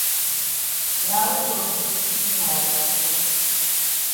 Now sl yi be na wa patron.